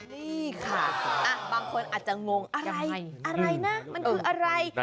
นี่ค่ะบางคนอาจจะงงอะไรอะไรนะมันคืออะไร